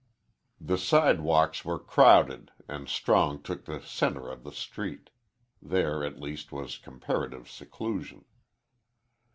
The sidewalks were crowded, and Strong took the centre of the street. There, at least, was comparative seclusion.